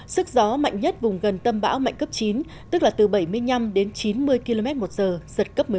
sức gió mạnh nhất vùng gần tâm bão mạnh cấp chín tức là từ bảy mươi năm đến chín mươi km một giờ giật cấp một mươi một